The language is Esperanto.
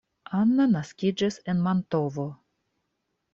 Anna naskiĝis en Mantovo.